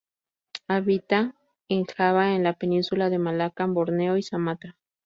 Habita en Java en la Península de Malaca, Borneo y Sumatra.